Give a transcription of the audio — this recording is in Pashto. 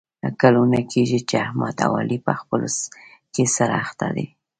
کلونه کېږي چې احمد او علي په خپلو کې سره اخته دي.